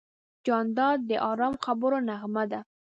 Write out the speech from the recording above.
جانداد د ارام خبرو نغمه ده.